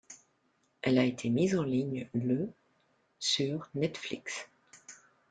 Elle a été mise en ligne le sur Netflix.